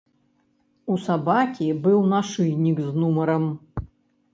У сабакі быў нашыйнік з нумарам.